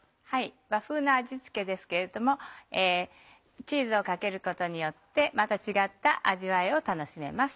和風な味付けですけれどもチーズをかけることによってまた違った味わいを楽しめます。